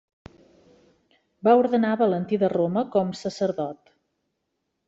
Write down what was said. Va ordenar Valentí de Roma com sacerdot.